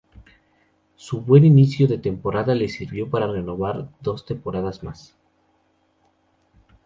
Su buen inicio de temporada le sirvió para renovar por dos temporadas más.